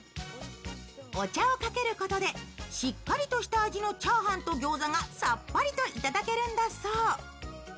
お茶をかけることで、しっかりとした味のチャーハンとギョーザがさっぱりといただけるんだそう。